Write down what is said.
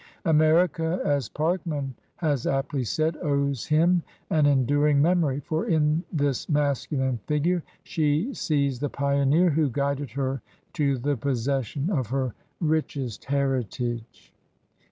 America, '' as Parkman has aptly said, ''owes him an enduring memory; for in this masculine figure she sees the pioneer who guided her to the possession of her richest heritage.